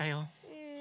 うん。